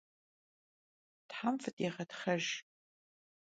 Them fıdêğetxhejj!